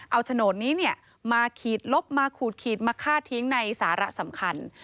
เอาโฉนดนี้มาขีดลบมาขูดขีดมาฆ่าทิ้งในสาระสำคัญ